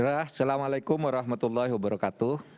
assalamu'alaikum warahmatullahi wabarakatuh